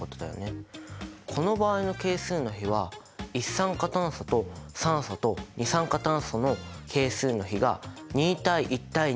この場合の係数の比は一酸化炭素と酸素と二酸化炭素の係数の比が２対１対２ということだよね。